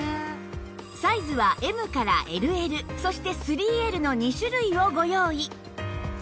サイズは Ｍ から ＬＬ そして ３Ｌ の２種類をご用意